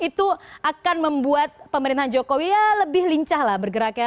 itu akan membuat pemerintahan jokowi ya lebih lincah lah bergeraknya